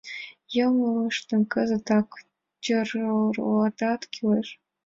Йоҥылышым кызытак тӧрлаташ кӱлеш.